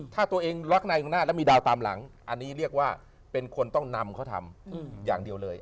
ถ้าตัวเองรักนายข้างหน้าแล้วมีดาวตามหลังอันนี้เรียกว่าเป็นคนต้องนำเขาทำอย่างเดียวเลย